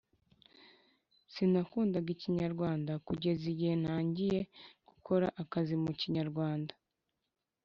Sinakundaga ikinyarwanda kugeza igihe nangiye gukora akazi mu Kinyarwanda